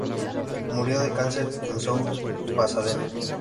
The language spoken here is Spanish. Murió de cáncer en South Pasadena.